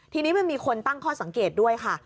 ทีนี้มันมีคนตั้งข้อสังเกตด้วยค่ะ